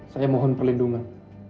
saya mohon perlindungan